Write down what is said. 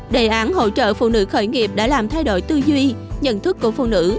đề án hỗ trợ phụ nữ khởi nghiệp đã làm thay đổi tư duy nhận thức của phụ nữ